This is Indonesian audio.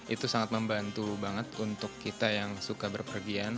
itu sangat membantu banget untuk kita yang suka berpergian